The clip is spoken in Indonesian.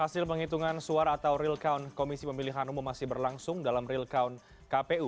hasil penghitungan suara atau real count komisi pemilihan umum masih berlangsung dalam real count kpu